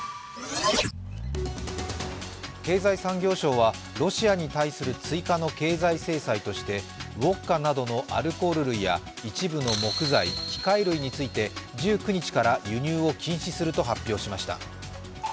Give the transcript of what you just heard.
経済産業省はロシアに対する追加の経済制裁としてウオッカなどのアルコール類や一部の木材、機械類について、１９日から輸入を禁止すると発表しました。